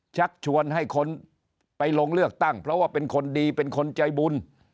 ชักชวนให้คนไปลงเลือกตั้งเพราะว่าเป็นคนดีเป็นคนใจบุญ